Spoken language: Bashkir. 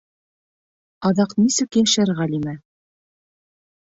Аҙаҡ нисек йәшәр Ғәлимә?